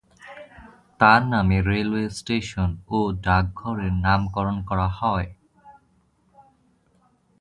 তাঁর নামে railway station ও ডাকঘরের নামকরণ করা হয়।